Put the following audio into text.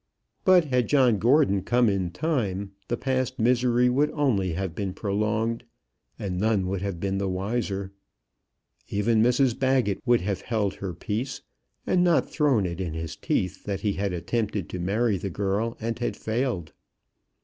But had John Gordon come in time, the past misery would only have been prolonged, and none would have been the wiser. Even Mrs Baggett would have held her peace, and not thrown it in his teeth that he had attempted to marry the girl and had failed.